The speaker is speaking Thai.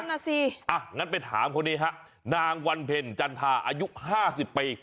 น่าสิงั้นไปถามคนนี้นะฮะนางวันเพ็ญจันทาอายุ๕๐ปี